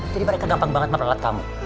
jadi mereka gampang banget memperalat kamu